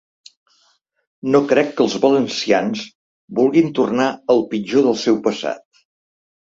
No crec que els valencians vulguin tornar al pitjor del seu passat.